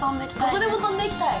「どこでも飛んでいきたい」？